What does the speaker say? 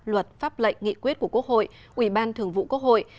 luật pháp lệnh nghị quyết của quốc hội ủy ban thường vụ quốc hội